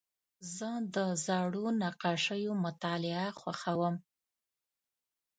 زه د زړو نقاشیو مطالعه خوښوم.